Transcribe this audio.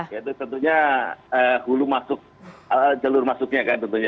ya itu tentunya hulu masuk jalur masuknya kan tentunya